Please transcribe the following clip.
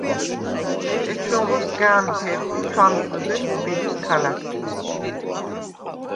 ეჩუნღო სგა̄̈მჰერხ ი ჩუ̂ამზჷზეხ თბილის ქალა̈ქთე.